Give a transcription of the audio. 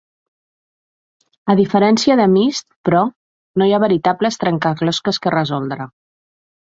A diferència de Myst, però, no hi ha veritables trencaclosques que resoldre.